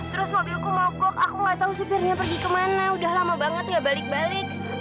terus mobilku mogok aku gak tau supirnya pergi kemana udah lama banget gak balik balik